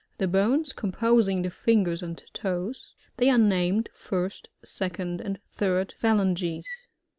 The bones com posing the fingers and toes. They are named, first, second, and third phalanges.